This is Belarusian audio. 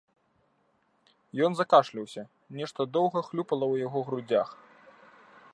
Ён закашляўся, нешта доўга хлюпала ў яго грудзях.